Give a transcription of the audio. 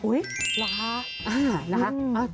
โอ้เหรอ